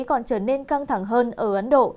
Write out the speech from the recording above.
còn trở nên căng thẳng hơn ở ấn độ